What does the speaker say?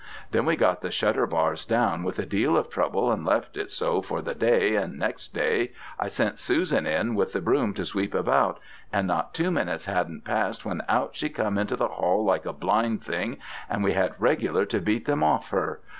Then we got the shutter bars down with a deal of trouble and left it so for the day, and next day I sent Susan in with the broom to sweep about, and not two minutes hadn't passed when out she come into the hall like a blind thing, and we had regular to beat them off her.